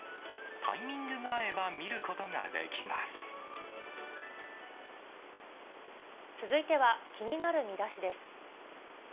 タイミングが合えば見ることがで続いては、気になるミダシです。